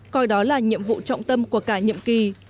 coi đó là nhiệm vụ trọng tâm của cả nhiệm kỳ